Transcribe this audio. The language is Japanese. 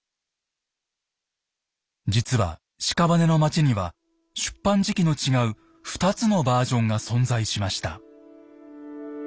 実は「屍の街」には出版時期の違う２つのバージョンが存在しました。